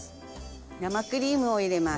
生クリームを入れます。